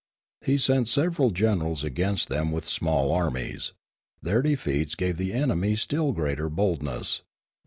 He sent several generals against them with small armies. Their defeats gave the enemy still greater boldness.